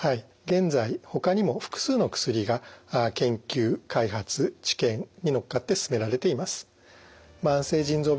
現在ほかにも複数の薬が研究開発治験に乗っかって進められています。